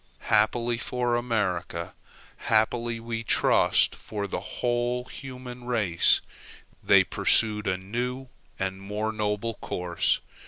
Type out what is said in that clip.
Happily for America, happily, we trust, for the whole human race, they pursued a new and more noble course.